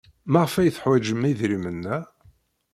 Maɣef ay teḥwajem idrimen-a?